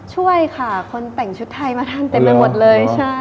ช่วยค่ะคนแต่งชุดไทยมาทั้งเต็มมาหมดเลย